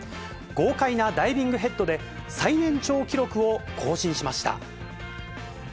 豪快なダイビングヘッドで、最年長記録を更新しました。